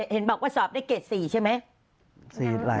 เห็นบอกว่าสอบได้เกรด๔ใช่ไหม